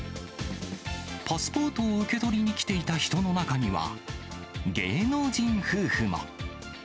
パスポートを受け取りに来ていた人の中には、芸能人夫婦も。